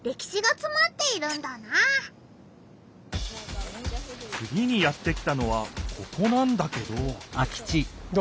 つぎにやって来たのはここなんだけどどう？